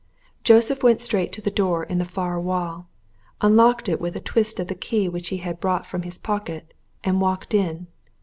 Joseph went straight to the door in the far wall, unlocked it with a twist of the key which he had brought from his pocket, and walked in.